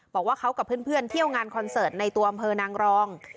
บอกว่าเขากับเพื่อนเที่ยวงานคอนเสิร์ตในตัวอำเภอนางรอง